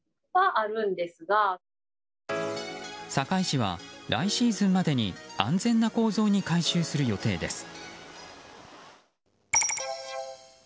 堺市は来シーズンまでに安全な構造に改修する予定です。